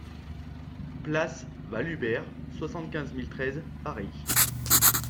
PL VALHUBERT, soixante-quinze mille treize Paris